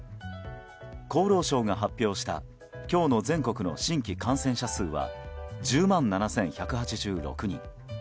厚労省が発表した今日の全国の新規感染者数は１０万７１８６人。